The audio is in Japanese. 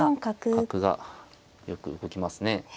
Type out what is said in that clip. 角がよく動きますね。